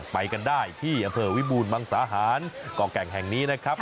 ไปกันได้ที่อำเภอวิบูรมังสาหารก่อแก่งแห่งนี้นะครับ